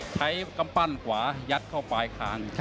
ใช้กำปั้นขวายัดเข้าไปข้าง